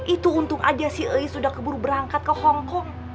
itu untung aja si eis udah keburu berangkat ke hongkong